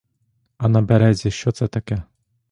А на березі що це таке?